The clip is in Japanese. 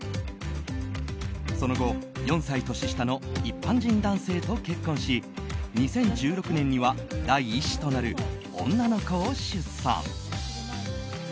その後、４歳年下の一般人男性と結婚し２０１６年には第１子となる女の子を出産。